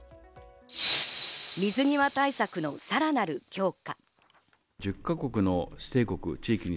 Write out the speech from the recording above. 水際対策のさらなる強化。